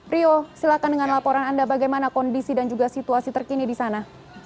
rio silakan dengan laporan anda bagaimana kondisi dan juga situasi terkini di sana